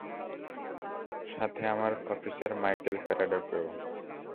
সাথে আমার officer Michael ফ্যারাডকেও।